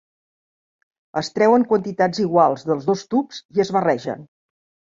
Es treuen quantitats iguals dels dos tubs i es barregen.